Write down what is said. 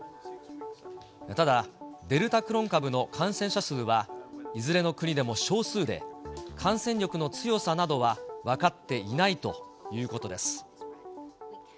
ただ、デルタクロン株の感染者数は、いずれの国でも少数で、感染力の強さなどは分かっていないということです。